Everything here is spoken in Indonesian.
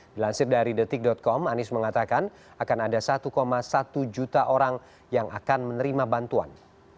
dilansir dari detik com anies mengatakan akan ada satu satu juta orang yang akan menerima bantuan